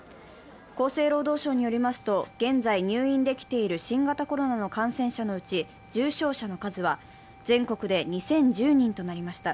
厚生労働省によりますと、現在入院できている新型コロナの感染者のうち重症者の数は全国で２０１０人となりました。